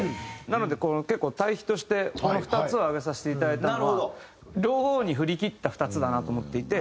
なので結構対比としてこの２つを挙げさせていただいたのは両方に振りきった２つだなと思っていて。